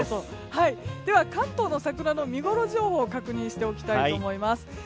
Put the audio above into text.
では関東の桜の見ごろ情報確認しておきたいと思います。